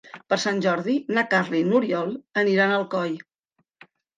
Per Sant Jordi na Carla i n'Oriol aniran a Alcoi.